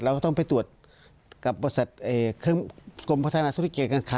เราก็ต้องไปตรวจกับบริษัทเครื่องกรมพัฒนาธุรกิจการค้า